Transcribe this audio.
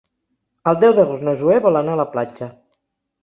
El deu d'agost na Zoè vol anar a la platja.